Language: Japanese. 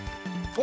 お！